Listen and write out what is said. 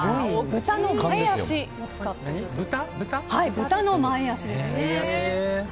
豚の前足を使っているんですね。